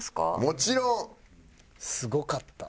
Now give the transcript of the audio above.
もちろん！すごかった。